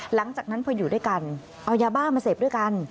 หลังจากนั้นพออยู่ด้วยกันเอายาบ้ามาเสพด้วยกัน